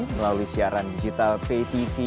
melalui siaran digital tv dan tv tv